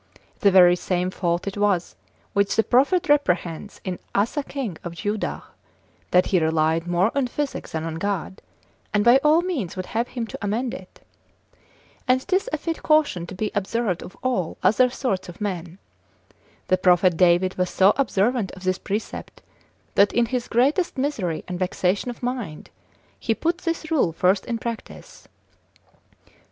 The very same fault it was, which the prophet reprehends in Asa king of Judah, that he relied more on physic than on God, and by all means would have him to amend it. And 'tis a fit caution to be observed of all other sorts of men. The prophet David was so observant of this precept, that in his greatest misery and vexation of mind, he put this rule first in practice.